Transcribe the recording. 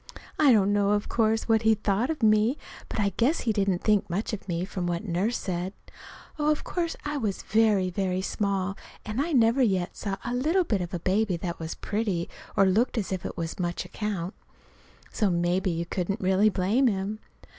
I don't know, of course, what he thought of me, but I guess he didn't think much of me, from what Nurse said. Of course I was very, very small, and I never yet saw a little bit of a baby that was pretty, or looked as if it was much account. So maybe you couldn't really blame him.